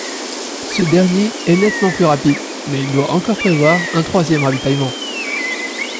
Ce dernier est nettement plus rapide, mais il doit encore prévoir un troisième ravitaillement.